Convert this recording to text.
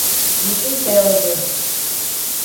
You fit sell all dust.